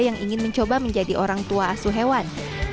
yang ingin mencoba menjadi orang tua asuh hewan